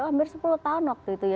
hampir sepuluh tahun waktu itu ya